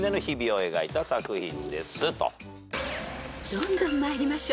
［どんどん参りましょう］